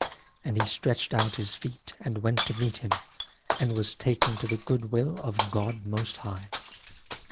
And he stretched out his feet and went to meet Him and was taken to the good will of God Most High."